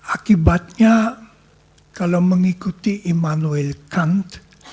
akibatnya kalau mengikuti immanuel count